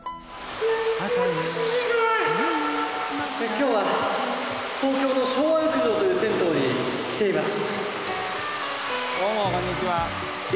今日は東京の昭和浴場という銭湯に来ています。